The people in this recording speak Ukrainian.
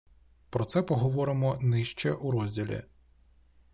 Про це поговоримо нижче у розділі